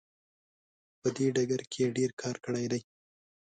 په دې ډګر کې یې ډیر کار کړی دی.